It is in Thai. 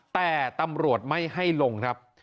แต่ตำรวจไม่ให้ลงครับ